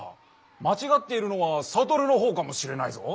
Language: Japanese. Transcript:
まちがっているのは悟のほうかもしれないぞ。